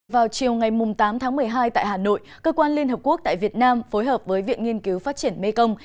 vào chiều ngày tám tháng một mươi hai tại hà nội cơ quan liên hợp quốc tại việt nam phối hợp với viện nghiên cứu phát triển mê công